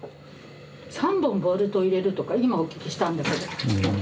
３本ボルト入れるとか今お聞きしたんだけど。